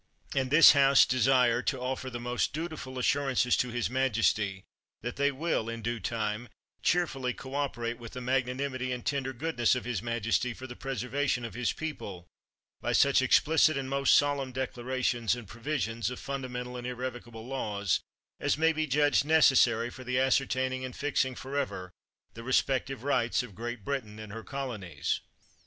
And thl3 House desire to offer the most dutiful assurances to his majesty, that they will, in due time, cheerfully cooperate with the magnanimity and tender goodness of his majesty for the preservation of his people, by such explicit and most solemn declarations, and provisions of fundamental and irrevocable laws, as may be judged necessary for the ascertaining and fixing for ever the respective rights of Great Britain and her colonies.